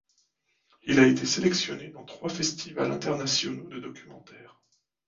Il a été sélectionnés dans trois festivals internationaux de documentaires.